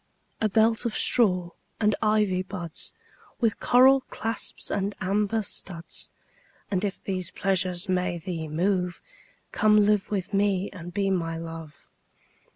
A belt of straw and ivy buds With coral clasps and amber studs: And if these pleasures may thee move, Come live with me and be my Love.